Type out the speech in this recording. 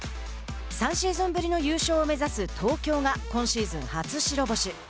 ３シーズンぶりの優勝を目指す東京が、今シーズン初白星。